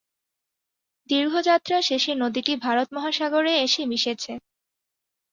দীর্ঘ যাত্রা শেষে নদীটি ভারত মহাসাগরে এসে মিশেছে।